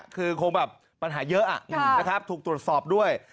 คือคงแบบปัญหาเยอะนะครับถูกตรวจสอบด้วย